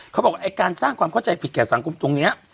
เขาบอกไอ้การสร้างความเข้าใจผิดแก่สังคมตรงนี้